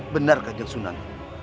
benar kan yusunan